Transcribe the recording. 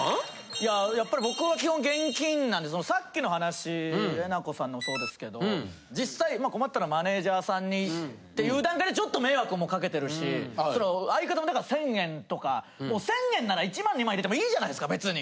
いややっぱり僕は基本現金なんでさっきの話えなこさんのそうですけど実際困ったらマネジャーさんにっていう段階でちょっと迷惑もかけてるしその相方も１０００円とか１０００円なら１万２万入れてもいいじゃないですか別に。